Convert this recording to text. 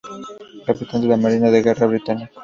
Capitán de la Marina de Guerra Británico.